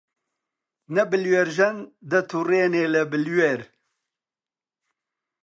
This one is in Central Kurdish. نە بلوێرژەن دەتووڕێنێ لە بلوێر